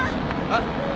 あっ？